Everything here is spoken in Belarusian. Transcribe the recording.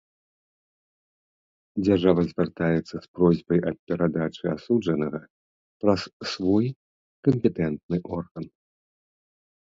Дзяржава звяртаецца з просьбай аб перадачы асуджанага праз свой кампетэнтны орган.